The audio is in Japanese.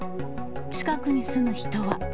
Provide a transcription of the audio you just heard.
近くに住む人は。